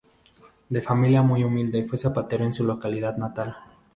De familia muy humilde, fue zapatero en su localidad natal.